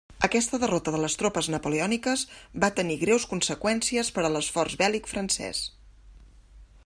Aquesta derrota de les tropes napoleòniques va tenir greus conseqüències per a l'esforç bèl·lic francès.